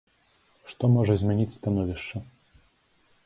Што можа змяніць становішча?